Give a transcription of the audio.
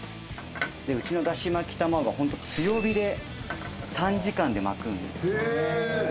うちのだしまき玉子は本当、強火で短時間で巻くんです。